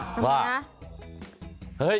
ทำไมนะ